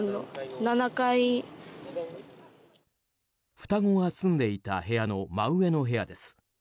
双子が住んでいた部屋の真上の部屋です。